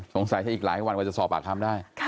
สงสัยถ้าอีกหลายวันว่าจะสอบปากคำได้